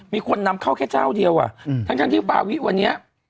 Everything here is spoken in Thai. มีคนนำเข้าแค่เจ้าเดียวอ่ะทั้งที่ฟาวิวันนี้